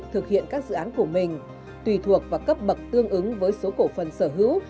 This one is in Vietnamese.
thực hiện các dự án của mình tùy thuộc vào cấp bậc tương ứng với số cổ phần sở hữu